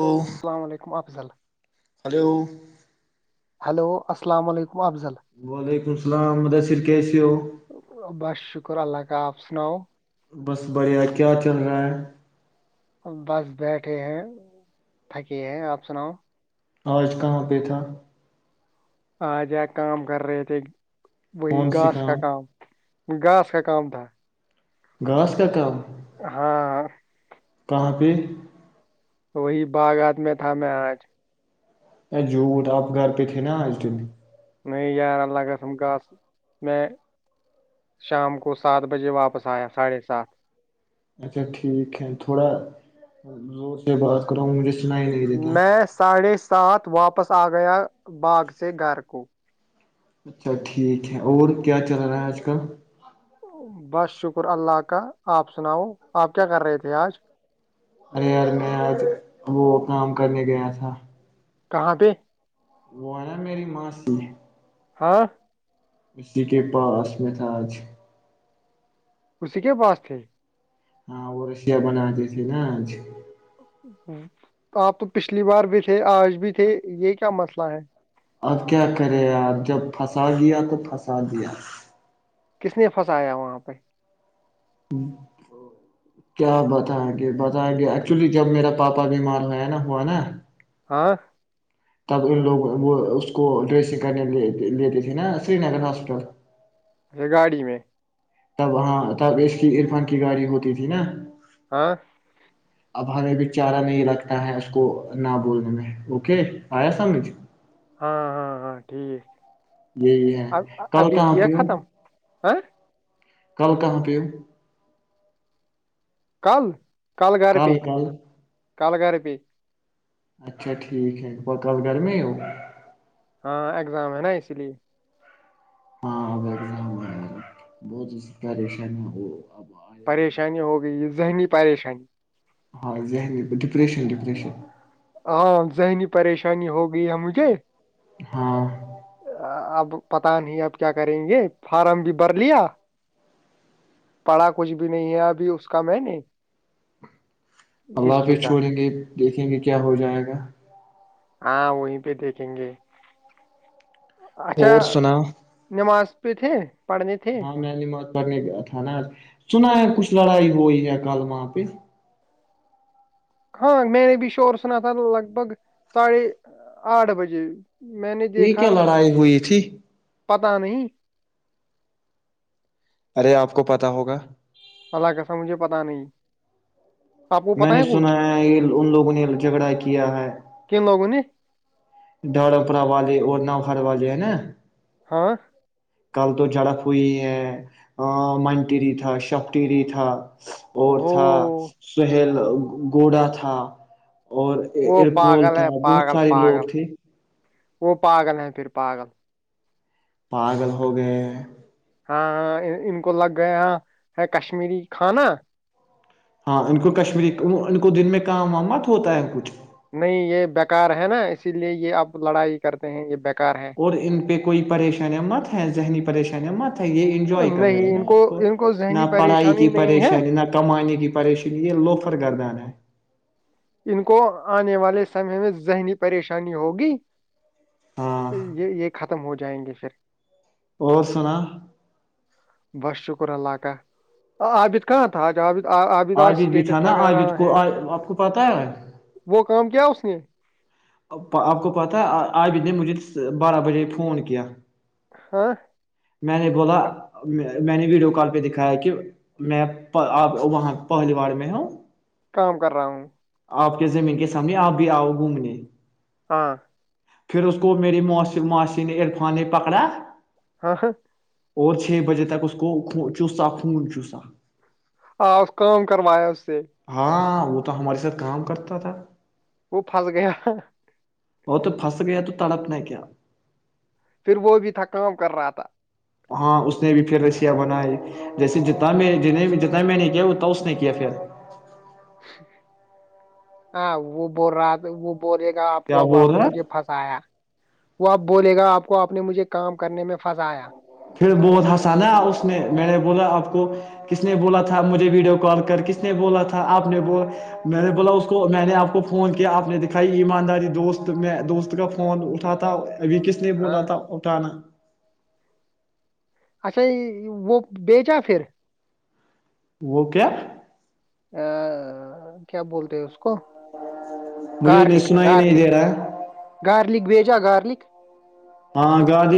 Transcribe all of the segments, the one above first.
Hello السل علیکم فھضل ہلو ہلو السلام علیکم افضل وعلیکم السلام مدثر کیسے ہو بس شکر اللہ آپ سناؤ بس بڑیا کیا چل رہا ہے بس بیٹھے ہیں تھکے ہیں آپ سناؤ آج کہاں پہ تھا آ جا کام کر رہے تھے وہی کون سی گاس کا کام گاس کا کام تھا گھاس کا کام ہاں کہاں پہ وہی باغات میں تھا میں آج ا جوھوٹ آب گھر پہ تھے نا آج دن نئی گیارہ لگ تھم گاس میں شام کو سات بجے واپس آیا ساڑھے سات اچھا ٹھیک ہے تھوڑا ر سے بات کر رہا ہوں مجھے سنائی نہیں دیتا میں ساڑھے ساتھ واپس آ گیا باغ سے گھر کو اچھا ٹھیک ہے اور کیا چل رہا ہے آج کل بس شکر اللہ کا آپ سناؤ آپ کیا کر رہے تھے آج ارر میں آج وہ کام کرنے گیا تھا کہاں پہ وہ ہے نا میری ماںسی ہاں اسی کے پاس میں تھا آج اسی کے پاس تھے ہاں وہ رشیا مان آج تھے نا آج آپ تو پچھلی بار بھی تھے آج بھی تھے یہ کیا مسئلہ ہے اب کیا کرے آپ جب پھنسا دیا تو پھنسا دیا کس نے پھنسایا وہاں پہ کیا بتائیں گے بتیں گے ایکچولی جب میرا پاپا بیمار ہویا نا ہوا نا ہاں تب ان لوگ وہ اس کو ڈریسنگ کرنے لیتے تھے نا سری نگر ہاسپٹل ری گاڑی میں تب ہاں تب اس کی عرفان کی گاڑی ہوتی تھی نا ہاں اب ہمیں بھی چارہ نہیں رکھتا ہے اس کو نہ بولنے میں اوکے آیا سمجھ ہاں ہاں ہاں ٹھیک یہی ہے کل کہاں پی ہ آ کل کہاں پ کل کل گھر پ کلگررب اچھا ٹھیک ہے بہت ڈر میں ہو ہاں ایگزام ہے نا اسی لیے ہاں بہت اس پریشانی ہو پریشانی ہو گئی ذہنی پریشانی ہاں ذہنی ڈپریشن ڈپریشن ہاں ذہنی پریشانی ہو گئی ہے مجھے ہاں اب پتا نہیں اب کیا کریں گے فارم بھی بھر لیا پڑا کچھ بھی نہیں ہے ابھی اس کا میں نے اللہ پ ہسٹری کا چھوڑیں گے دیکھیں گے کہ کیا ہو جائے گا ہاں وہیں پہ دیکھیں گے اچھا اور سنا نمازاز پ تھے پڑھنے تھے ہاں میں نے مت کرنے کا تھا نا سنا ہے کچھ لڑائی ہوئی ہے کل وہاں پہ ہاں میں نے بھی شور سنا تھا لگ بھگ ساڑھے آٹھ بجے میں نے یہ دیکھا کیا لڑائی ہوئی تھی پتا نہیں ارے آپ کو پتا ہوگا اللہ کیسا مجھے پتہ نہیں آپ کو میں پتا نے ہے سنا کچھ ہے ان لوگوں نے جھگڑا کیا ہے کن لوگوں نے درمپرا والے اور خرواجائے نا ہاں کل تو جڑپ ہوئی ہے منٹیری تھا شب ٹیری تھا اور وہ تھا سہیل گوڑا تھا اور وہ ارپول پاگل تھا ہے بہت پاگل سارے لوگ پاگل تھے وہ پاگل ہیں پھر پاگل پاگل ہو گئے ہاں ان کو لگ گیا ہے کشمیری کھانا ہاں ان کو کشمیری ان کو دن میں کام مت ہوتا ہے کچھ نہیں یہ بیکار ہے نا اسی لیے یہ آپ لڑائی کرتے ہیں یہ بیکار ہے اور ان پہ کوئی پریشانیاں مت ہیں ذہنی پریشانیاں مت یہ انجوائے کر رہے نہیں نا ان کو نہ ذہنی پڑھائی پریشانی کی نہیں ہے پریشانی نہ کمانے کی پریشانی یہ لوفر گردان ہے ان کو آنے والے سمے میں ذہنی پریشانی ہوگی ہاں یہ یہ خط ختم ہو جائیں گے پھر اور سنا بس شکر اللہ کا عابد کہاں تھا آج عابد آ- عابد آج آجد بھی تھا اسٹیٹس نا لگا آجد رہا کو ہے آپ پتا ک اس نہیں آپ کو پتا آب نے مجھے بارہ بجے فون کیا ہاں میں نے بولا میں نے ویڈیو کال پہ دکھایا ہے کہ میں آپ وہاں پہلی بار میں ہوں کام کر رہا ہوں آپ کے زمین کے سامنے آپ بھی آؤ گھومنے ہاں پھر اس کو میری م معاش نے عرفان نے پکڑا ہاں ہاں اور چھ بجے تک اس کو چوسا خون چوسا آ اس کا کرماس ہاں وہ تو ہمارے ساتھ کام کرتا تھا وہ پھس گیا وہ تو پھنس گیا تو تڑپ نے کیا؟ پھر وہ بھی تھا کام کر رہا تھا ہاں اس نے بھی پھر رشیا بناائی جیسے جنا میں ج جتنا میں نے کیا اتا اس نے کیا پھر ہاں وہ ب رات وہ بولے گا آپ کو اب آپ بول نے رہا مجھے پھنسایا وہ آپ بولے گا آپ کو آپ نے مجھے کام کرنے میں پھنسایا پھر بہت ہنسانا اس نے میں نے بولا آپ کو کس نے بولا تھا مجھے ویڈیو کال کر کس نے بولا تھا آپ نے بو میں نے بولا اس کو میں نے آپ کو فون کیا آپ نے دکھائی ایمانداری دوست میں دوست کا فون اٹھا ابھی کس نے بولا ہاں تھا اٹھانا اچھا وہ بیچا پھر وہ کیا ا کیا بولتے ہیں اس کو مجھے گارلک نسنا ہی نہیں دے گارلک رہا ہے گارلک بھیجا گارلک ہاں گار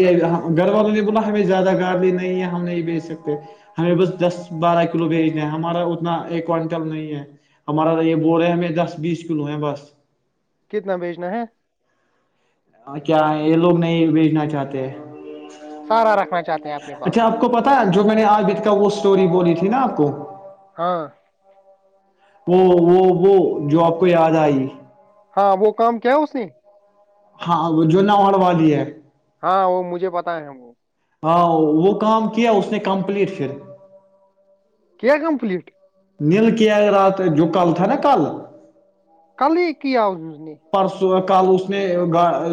گھر والوں نے بولا ہمیں زیادہ گارلی نہیں ہے ہم نہیں بیج سکتے ہمیں بس دس بارہ کلو بیچ د ہیں ہمارا اتنا ایک کونٹل نہیں ہے ہمارا یہ ب رہ ہے ہمیں دس بیس کلو ہے بس کتنا بیچنا ہے کیا یہ لوگ نہیں بھیجنا چاہتے سارا رکھنا چاہتے ہیں اپنے پاس اچھا آپ کو پتا جو میں نے آج بھیت کہ وہ اسٹوری بولی تھی نا آپ کو ہاں وہ وہ وہ جو آپ کو یاد آئی ہاں وہ کام کیا اس نے ہاں وہ جو نہ مڑوا دی ہے ہاں وہ مجھے پتا ہے وہ ہاں وہ کام کیا اس نے کمپلیٹ پھر کیا کمپلیٹ نیل کیائے رات جو کل تھا نا کل کل ہی کیاؤ س اس نے پرسوں کل اس نے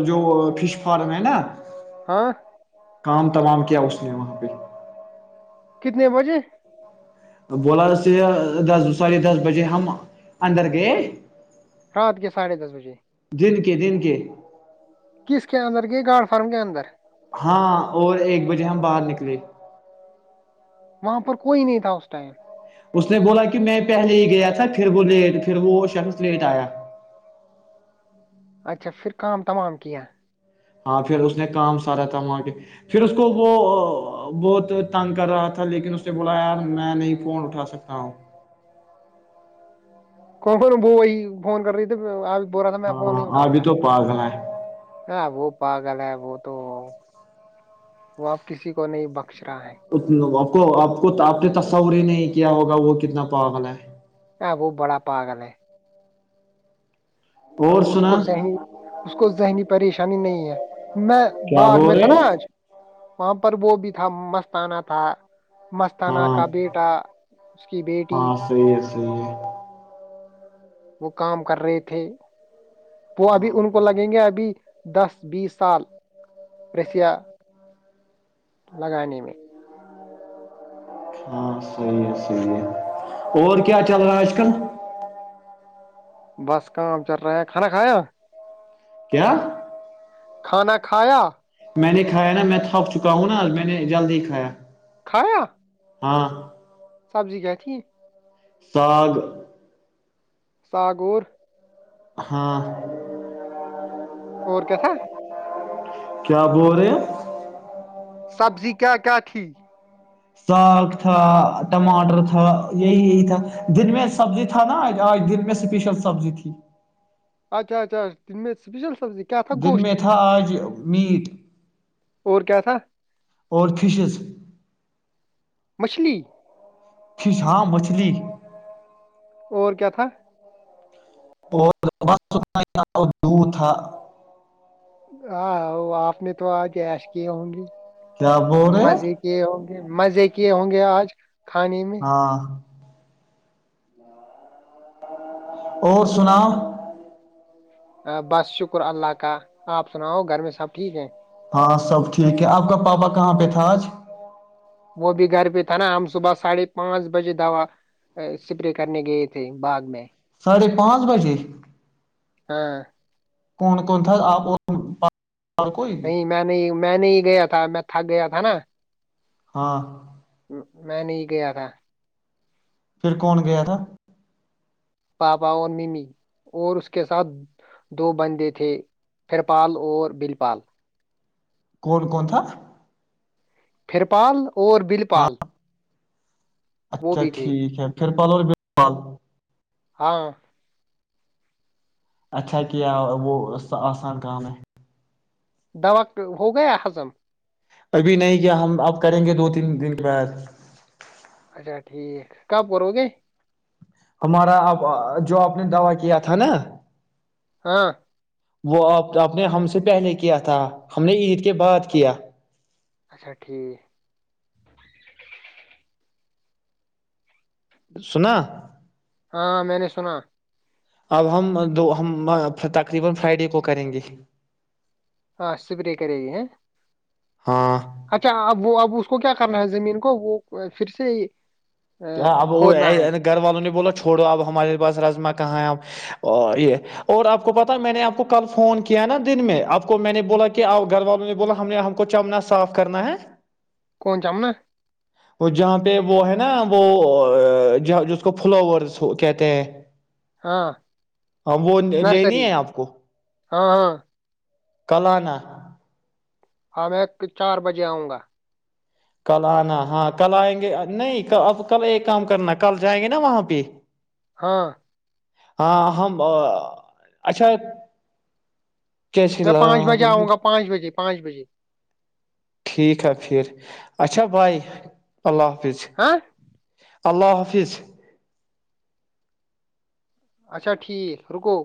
جو فش فارم ہے نا ہاں کام تلام کیا اس نے وہاں پہ کتنے بجے بولاس دس ساڑھے دس بجے ہم اندر گئے رات کے ساڑھے دس بجے دن کے دن کے کس کے اندر کے گاڑ فارم کے اندر ہاں اور ایک بجے ہم باہر نکلے وہاں پر کوئی نہیں تھا اس ٹائم اس نے بولا کہ میں پہلے ہی گیا تھا پھر وہ لیٹ پھر وہ شخص لیٹ آیا اچھا پھر کام تمام کیا ہاں پھر اس نے کام سارا تھا وہاں کے پھر اس کو وہ بہت تنگ کر رہا تھا لیکن اس نے بولا یار میں نہیں فون اٹھا سکتا ہوں کون کون وہ وہی فون کر رہی تھے آپ ہاں اوربھی تو پسنا ہے ہاں وہ پاگل ہے وہ تو وہ اپ کسی کو نہیں بک ا کو آپ کو آپ نے تصور ہی نہیں کیا ہوگا وہ کتنا پاگلا ہے اگو بڑ پا گلے تو اور اس سنا کو ذہنی اس کو ذہنی پریش پریشانی نہیں ہے میں کیا باغ میں بول تھا رہے نا ہو آج وہاں پر وہ بھی تھا مست آنا تھا مستانہ ہاں کا بیٹا اس کی بیٹی جی ہے وہ کام کر رہے تھے وہ ابھی ہاں ان کو لگیں گے ابھی دس بیس سال رسیہ لگانے میں ہاں صحی ہے سحی ہے اور کیا چل رہا ہے آج کل بس کام چل رہا ہے کھانا کھایا کیا کھانا کھایا میں نے کایا نا میں تھک چکا ہوں نا میں نے جلد ہی کھایا کھ رہےا ہاں سبزی گ تھی ساگ ساگور ہاں اور کیسا کیا بول رہے سبزی کیا کیا تھی ساگ تھا ٹماٹر تھا یہی یہی تھا دن میں سبزی تھا نا آج آج دن میں اسپیشل سبزی تھی چچا ت میں اسپیشل سبزی کیا تھا دن گوشت میں تھا آج میٹ اور کیا تھا اور فشز مچھلی فھشاں مچھلی اور کیا تھا [unintelligible] آاں وہ آپ نے تو آج ایش کیے ہوں گے کیا بول رہے ہو مزے کیے ہوں گے مزے کیے ہوں گے آج کھانے میں ہاں اور سنا بس شکر اللہ کا آپ سناؤ گھر میں سب ٹھیک ہے ہاں سب ٹھیک ہے آپ کا پاپا کہاں پہ تھا آج وہ بھی گھر پہ تھا نا ہم صبح ساڑھے پانچ بجے دوا اسپرے کرنے گئے تھے باغ میں ساڈ ھے پانچ بجے ہاں کون کون تھا آپ اور کوئی نہیں میں نہیں میں نہیں گیا تھا میں تھک گیا تھا نا ہاں میں نہیں گیا تھا پھر کون گیا تھا پاپا اور ممی اور اس کے ساتھ دو بندے تھے ہرپال اور بل پال کون کون تھا تھا پھر پال اور بل ہاں پال اچھا ٹھیک ہے پھر پال اور بل پال ہاں اچھا کیا وہ آسان کام ہے دوا ہو گیا ہضم ابھی نہیں کیا ہم اب کریں گے دو تین دن کے بعد اچھا ٹھیک کب کرو گے ہمارا آپ جو آپ نے دوا کیا تھا نا ہاں وہ آپ آپ نے ہم سے پہلے کیا تھا ہم نے عید کے بعد کیا اچھا ٹھیک سنا ہاں میں نے سنا اب ہم دو ہم تقریبا فرائیڈے کو کریں گے ہاں سپرے کرے گی ہے ہاں اچھا اب وہ اب اس کو کیا کرنا ہے زمین کو وہ پھر سے کیا اب وہ کھودنا ہے گھر والوں نے بولا چھوڑو اب ہمارے پاس رجما کہاں آپ یہ اور آپ کو پتا میں نے آپ کو کل فون کیا نا دن میں آپ کو میں نے بولا کہ گھر والوں نے بولا ہم نے ہم کو چمنا صاف کرنا ہے کون جامنا بیبو ہے نا وہ جس کو فلاورس کہتے ہیں ہاں ہاں وہ لینی نرسری ہے آپ کو ہاں ہاں کلانہ ہاں میں چار بجے آؤں گا کل آنا ہاں کل آئیں گے نہیں اب کل ایک کام کرنا کل جائیں گے نا وہاں پہ ہاں ہاں ہم اچھا کیسے میں پانچ بجے آؤں گا پانچ بجے پانچ بجے ٹھیک ہے پھر اچھا بائی اللہ حافظ ہاں اللہ حافظ اچھا ٹھیک رکو